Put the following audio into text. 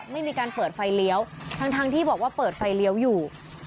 ไม่มีการเปิดไฟเลี้ยวทั้งที่บอกว่าเปิดไฟเลี้ยวอยู่